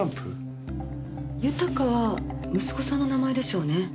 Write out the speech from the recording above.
「豊」は息子さんの名前でしょうね。